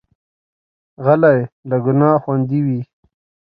غلی، له ګناه خوندي وي.